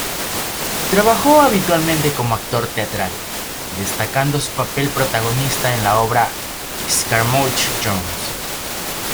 Trabajó habitualmente como actor teatral, destacando su papel protagonista en la obra "Scaramouche Jones".